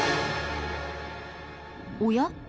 おや？